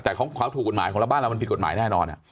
แต่เขาถูกกฎหมายของเราบ้านเรามันผิดกฎหมายแน่นอน